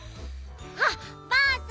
あっバース。